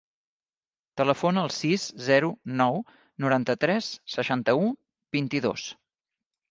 Telefona al sis, zero, nou, noranta-tres, seixanta-u, vint-i-dos.